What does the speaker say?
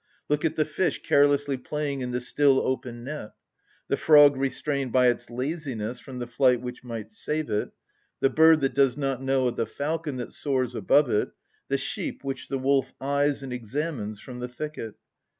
Look at the fish carelessly playing in the still open net; the frog restrained by its laziness from the flight which might save it; the bird that does not know of the falcon that soars above it; the sheep which the wolf eyes and examines from the thicket.